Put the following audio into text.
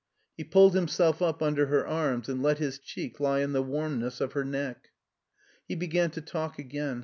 He pulled himself up under her arms, and let his cheek lie in the warmness of her neck. He began to talk again.